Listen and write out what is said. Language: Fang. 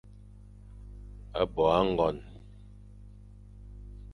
Bo âgon.